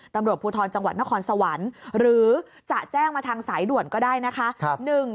ตำรวจภูทรจังหวัดนครสวรรค์หรือจะแจ้งมาทางสายด่วนก็ได้นะคะ